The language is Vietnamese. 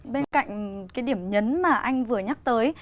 bên cạnh cái điểm nhấn mà anh vừa nhắc tới